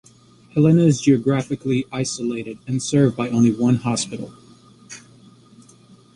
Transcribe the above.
Helena is geographically isolated and served by only one hospital.